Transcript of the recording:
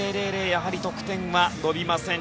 やはり得点は伸びません。